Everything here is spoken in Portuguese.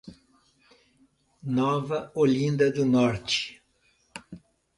Nova Olinda do Norte